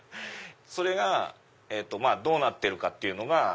それがどうなってるかっていうのが。